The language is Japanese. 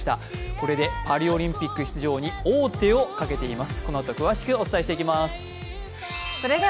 これでパリオリンピック出場に王手をかけています。